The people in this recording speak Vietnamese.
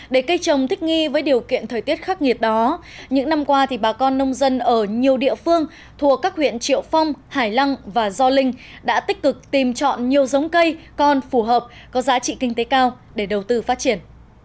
để cây trồng thích nghi với điều kiện thời tiết khắc nghiệt đó những năm qua bà con nông dân ở nhiều địa phương thuộc các huyện triệu phong hải lăng và gio linh đã tích cực tìm chọn nhiều giống cây còn phù hợp có giá trị kinh tế cao để đầu tư phát triển